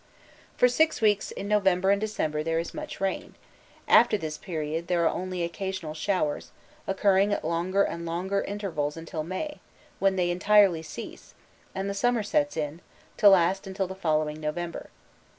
For six weeks in November and December there is much rain: after this period there are only occasional showers, occurring at longer and longer intervals until May, when they entirely cease, and the summer sets in, to last until the following November.